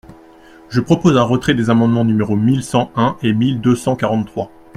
Je propose un retrait des amendements numéros mille cent un et mille deux cent quarante-trois.